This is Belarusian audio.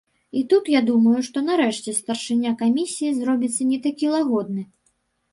І тут я думаю, што нарэшце старшыня камісіі зробіцца не такі лагодны.